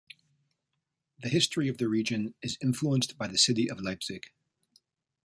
The history of the region is influenced by the city of Leipzig.